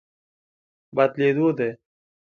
بدلېدو دی.